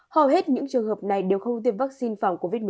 hầu hết những trường hợp này đều không tiêm vaccine phòng covid một mươi chín